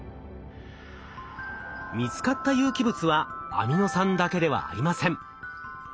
見つかった有機物はアミノ酸だけではありません。